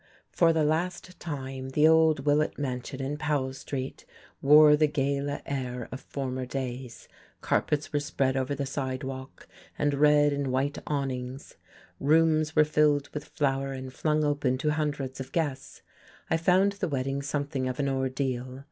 For the last time the old Willett mansion in Powell Street wore the gala air of former days; carpets were spread over the sidewalk, and red and white awnings; rooms were filled with flowers and flung open to hundreds of guests. I found the wedding something of an ordeal.